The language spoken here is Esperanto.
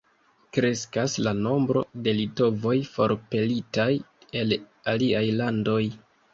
Kreskas la nombro de litovoj forpelitaj el aliaj landoj.